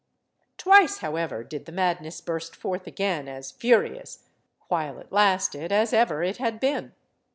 Twice, however, did the madness burst forth again as furious, while it lasted, as ever it had been.